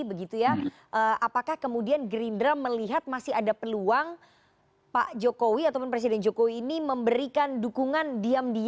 apakah kemudian gerindra melihat masih ada peluang pak jokowi ataupun presiden jokowi ini memberikan dukungan diam diam